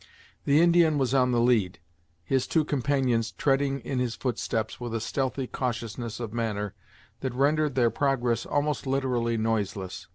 The Indian was on the lead, his two companions treading in his footsteps with a stealthy cautiousness of manner that rendered their progress almost literally noiseless.